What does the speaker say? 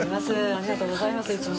ありがとうございますいつも。